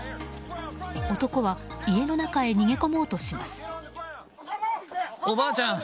男は家の中へ逃げ込もうとします。